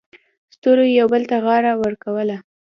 ستورو یو بل ته غاړه ورکوله.